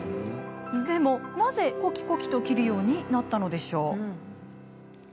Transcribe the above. でもなぜコキコキと切るようになったのでしょう？